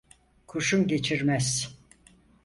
Kurşun geçirmez.